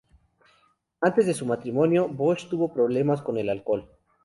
Antes de su matrimonio, Bush tuvo problemas con el alcohol.